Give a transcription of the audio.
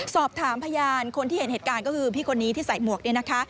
สอบถามพยานคนที่เห็นเหตุการณ์ก็คือพี่คนนี้ที่ใส่หมวกเนี่ยนะคะ